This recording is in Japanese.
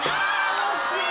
惜しい！